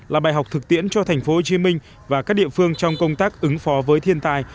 là bài học thực tiễn cho thành phố hồ chí minh và các địa phương trong công tác ứng phó với thiên tai